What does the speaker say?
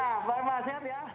ya pak irma sehat ya